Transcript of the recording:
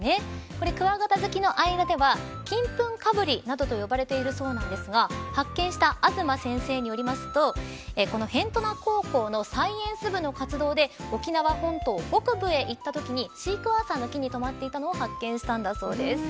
これクワガタ好きの間では金粉かぶりなどと呼ばれているそうなんですが発見した東先生によると辺土名高校のサイエンス部の活動で沖縄本島北部へ行ったときにシークワーサーの木に止まっていたのを発見したんだそうです。